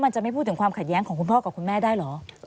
จะไม่พูดถึงความขัดแย้งของคุณพ่อกับคุณแม่ได้เหรอ